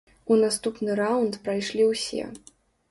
У наступны раўнд прайшлі ўсе.